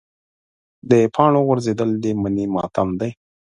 د پاڼو غورځېدل د مني ماتم دی.